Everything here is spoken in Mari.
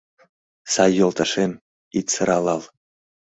Сай йолташем, ит сыралал